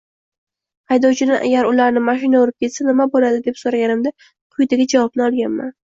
haydovchidan “agar ularni mashina urib ketsa, nima boʻladi”, deb soʻraganimda quyidagi javobni olganman.